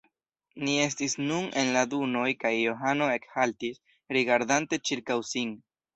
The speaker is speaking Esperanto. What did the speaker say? Ni estis nun en la dunoj kaj Johano ekhaltis, rigardante ĉirkaŭ sin.